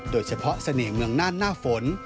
โดยเฉพาะเสน่ห์เมืองน่านหน้าฝน